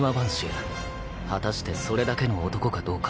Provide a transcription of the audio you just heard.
果たしてそれだけの男かどうか。